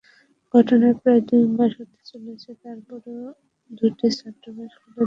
ঘটনার প্রায় দুই মাস হতে চলেছে, তারপরও দুটি ছাত্রাবাস খুলে দেওয়া হয়নি।